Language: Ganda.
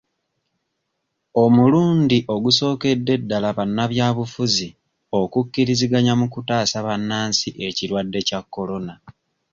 Omulundi ogusookedde ddala bannabyabufuzi okukkiriziganya mu kutaasa bannansi ekirwadde kya Corona.